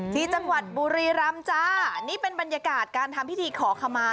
ที่จังหวัดบุรีรำจ้านี่เป็นบรรยากาศการทำพิธีขอขมา